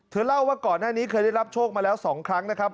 เล่าว่าก่อนหน้านี้เคยได้รับโชคมาแล้ว๒ครั้งนะครับ